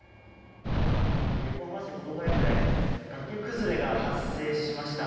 横浜市保土ケ谷区で崖崩れが発生しました。